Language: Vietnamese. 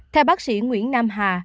theo bác sĩ nguyễn nam hà